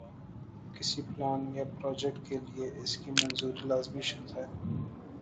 کسی پلان یا پراجیکٹ کے لئے اس کی منظوری لازمی شرط ہے۔